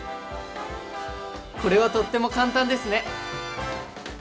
これはとっても簡単ですね！